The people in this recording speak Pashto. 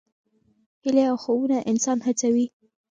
هیلې او خوبونه انسان هڅوي.